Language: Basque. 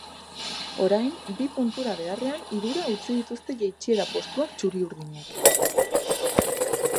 Orain, bi puntura beharrean hirura utzi dituzte jaitsiera postuak txuri-urdinek.